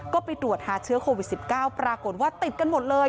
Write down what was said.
ก็ไปตรวจหาเชื้อโควิด๑๙ปรากฏว่าติดกันหมดเลย